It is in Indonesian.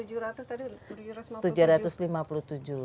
untuk tujuh ratus tadi